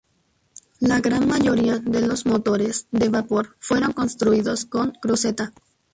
La gran mayoría de los motores de vapor fueron construidos con cruceta.